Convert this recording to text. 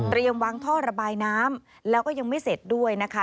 วางท่อระบายน้ำแล้วก็ยังไม่เสร็จด้วยนะคะ